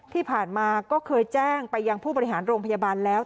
ที่ผ่านมาก็เคยแจ้งไปยังผู้บริหารโรงพยาบาลแล้ว